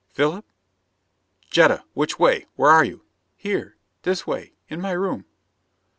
"Philip?" "Jetta! Which way? Where are you?" "Here! This way: in my room."